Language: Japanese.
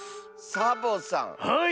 サボさんはい。